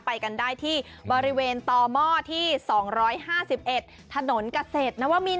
ไปกันได้ที่บริเวณต่อหม้อที่๒๕๑ถนนเกษตรนวมิน